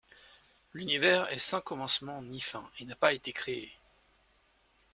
L'univers est sans commencement ni fin et n'a pas été créé.